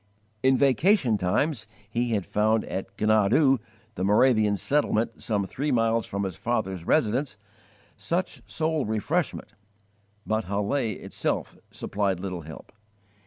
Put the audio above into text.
In vacation times he had found at Gnadau, the Moravian settlement some three miles from his father's residence, such soul refreshment, but Halle itself supplied little help.